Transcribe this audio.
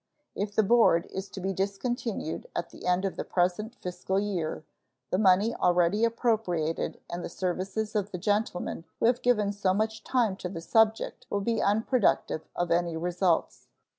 If the board is to be discontinued at the end of the present fiscal year, the money already appropriated and the services of the gentlemen who have given so much time to the subject will be unproductive of any results.